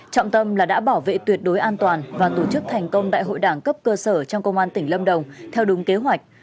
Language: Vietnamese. trọng tâm là đã bảo vệ tuyệt đối an toàn và tổ chức thành công đại hội đảng cấp cơ sở trong công an tỉnh lâm đồng theo đúng kế hoạch